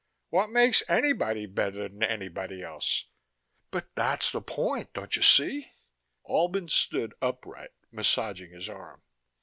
What makes anybody better than anybody else?" "But that's the point don't you see?" Albin stood upright, massaging his arm.